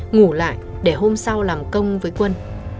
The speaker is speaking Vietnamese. ngủ lại để hôm sau làm công với quân